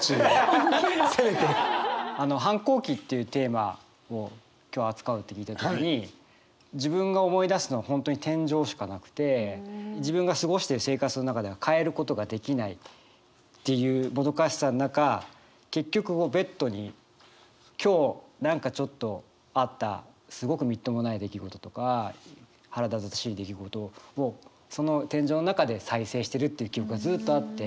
反抗期っていうテーマを今日扱うって聞いた時に自分が思い出すのは本当に天井しかなくて自分が過ごしてる生活の中では変えることができないっていうもどかしさの中結局ベッドに今日何かちょっとあったすごくみっともない出来事とか腹立たしい出来事をその天井の中で再生してるっていう記憶がずっとあって。